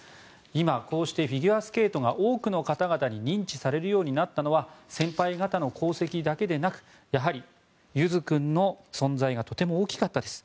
今、こうしてフィギュアスケートが多くの方々に認知されるようになったのは先輩方の功績だけでなくやはり、ゆづ君の存在が存在がとても大きかったです。